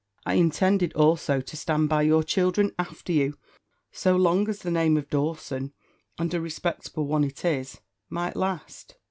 I intended, also, to stand by your children after you, so long as the name of Dawson, and a respectable one it is, might last."